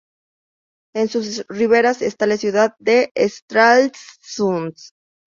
En sus riberas está la ciudad de Stralsund.